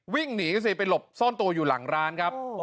วิ่งหนีสิไปหลบซ่อนตัวอยู่หลังร้านครับ